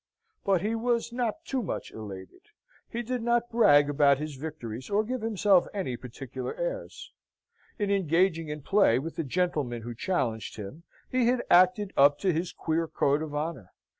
But he was not too much elated. He did not brag about his victories or give himself any particular airs. In engaging in play with the gentlemen who challenged him, he had acted up to his queer code of honour.